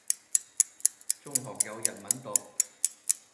中學有日文讀